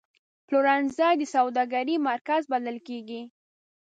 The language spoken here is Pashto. پلورنځی د سوداګرۍ مرکز بلل کېږي.